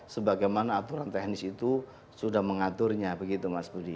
sebagaimana aturan teknis itu sudah mengaturnya begitu mas budi